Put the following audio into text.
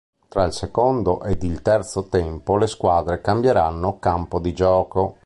Tra il secondo ed il terzo tempo le squadre cambieranno campo di gioco.